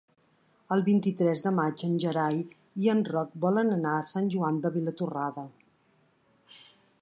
El vint-i-tres de maig en Gerai i en Roc volen anar a Sant Joan de Vilatorrada.